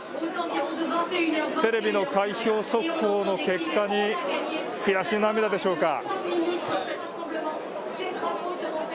テレビの開票速報の結果に悔し涙でしょうか。